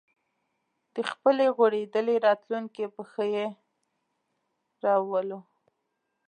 د خپلې غوړېدلې راتلونکې په ښه یې راولو